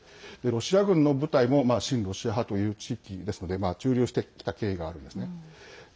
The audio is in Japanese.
ロシア軍の部隊も親ロシア派という地域ですので駐留してきた経緯があるんですね。